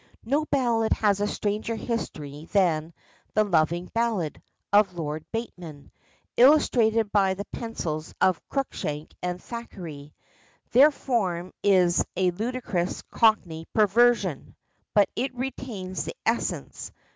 No ballad has a stranger history than The Loving Ballad of Lord Bateman, illustrated by the pencils of Cruikshank and Thackeray. Their form is a ludicrous cockney perversion, but it retains the essence.